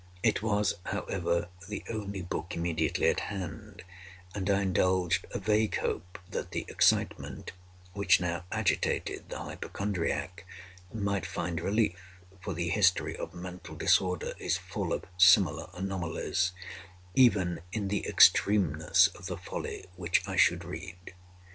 It was, however, the only book immediately at hand; and I indulged a vague hope that the excitement which now agitated the hypochondriac, might find relief (for the history of mental disorder is full of similar anomalies) even in the extremeness of the folly which I should read.